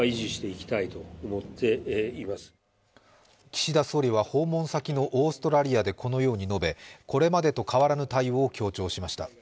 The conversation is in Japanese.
岸田総理は、訪問先のオーストラリアでこのように述べ、これまでと変わらぬ対応を強調しました。